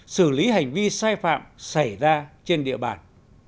xử lý hành vi sai phạm xảy ra trên địa bàn